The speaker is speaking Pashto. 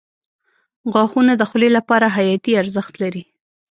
• غاښونه د خولې لپاره حیاتي ارزښت لري.